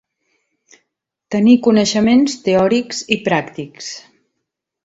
Tenir coneixements teòrics i pràctics.